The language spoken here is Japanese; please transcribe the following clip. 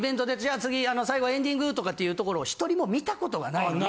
あの最後エンディング！」とかっていうところを１人も見たことがないので。